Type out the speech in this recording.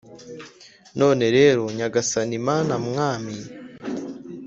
none rero nyagasani, mana, mwami,